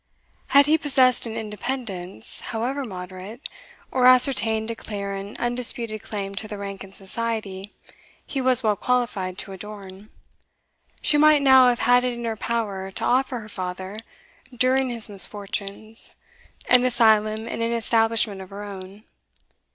Had he possessed an independence, however moderate, or ascertained a clear and undisputed claim to the rank in society he was well qualified to adorn, she might now have had it in her power to offer her father, during his misfortunes, an asylum in an establishment of her own.